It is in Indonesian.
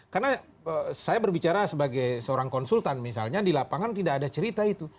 karena saya berbicara sebagai seorang konsultan misalnya di lapangan tidak ada cerita itu